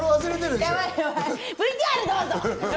ＶＴＲ、どうぞ。